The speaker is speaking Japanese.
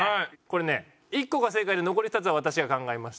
これね１個が正解で残り２つは私が考えました。